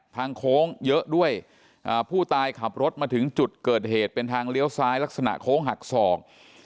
โค้งเยอะด้วยผู้ตายขับรถมาถึงจุดเกิดเหตุเป็นทางเลี้ยวซ้ายลักษณะโค้งหักศอก